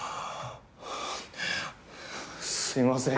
すいません。